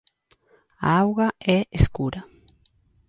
A auga é escura.